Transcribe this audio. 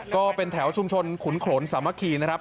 ก็เป็นแถวชุมชนขุนขลนสามะคี